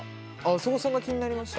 そこそんな気になりました？